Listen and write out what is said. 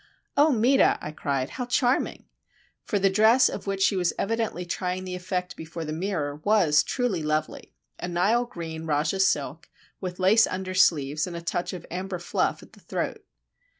"Oh, Meta!" I cried, "how charming!" For the dress of which she was evidently trying the effect before the mirror was truly lovely,—a Nile green rajah silk, with lace under sleeves and a touch of amber fluff at the throat.